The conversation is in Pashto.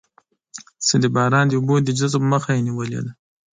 چې د باران د اوبو د جذب مخه یې نېولې ده.